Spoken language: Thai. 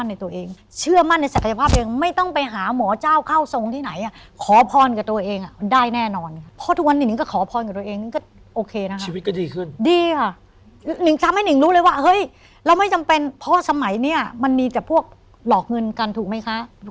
แล้วไม่จำเป็นเพราะว่าสมัยเนี่ยมันมีแต่พวกหลอกเงินกันถูกไหมคะ